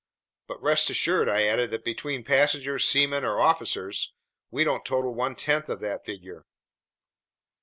"But rest assured," I added, "that between passengers, seamen, or officers, we don't total one tenth of that figure."